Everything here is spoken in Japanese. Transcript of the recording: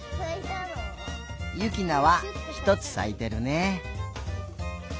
ゆきなはひとつさいてるね。